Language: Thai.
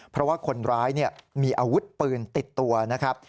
เพราะว่าคนร้ายมีอาวุธปืนติดตัวนะครับ